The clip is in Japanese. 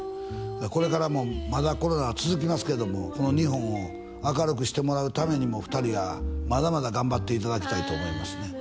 これからもまだコロナは続きますけどもこの日本を明るくしてもらうためにも２人がまだまだ頑張っていただきたいと思いますね